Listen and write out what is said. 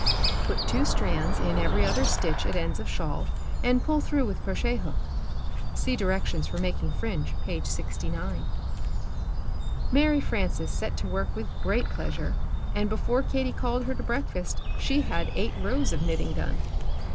Put 2 strands in every other stitch at ends of shawl and pull through with crochet hook. (See directions for making fringe, page 69.) Mary Frances set to work with great pleasure, and before Katie called her to breakfast she had eight rows of knitting done.